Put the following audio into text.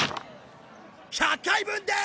１００回分です！